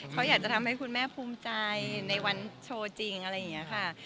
เขาอยากจะทำให้คุณแม่ภูมิใจในวันโชว์จริงอะไรอย่างนี้ค่ะ